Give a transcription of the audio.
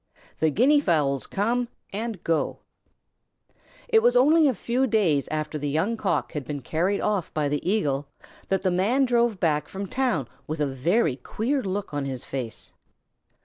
THE GUINEA FOWLS COME AND GO It was only a few days after the Young Cock had been carried away by the Eagle, that the Man drove back from town with a very queer look upon his face.